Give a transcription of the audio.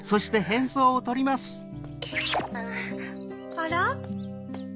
あら？